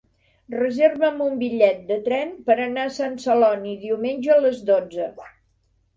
Reserva'm un bitllet de tren per anar a Sant Celoni diumenge a les dotze.